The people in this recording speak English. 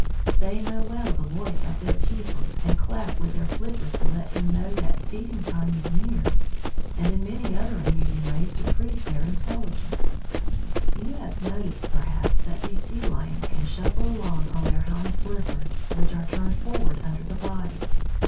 They know well the voice of their keeper, and clap with their flippers to let him know that feeding time is near; and in many other amusing ways they prove their intelligence. [Illustration: SEA LION] You have noticed, perhaps, that these Sea lions can shuffle along on their hind flippers, which are turned forward under the body.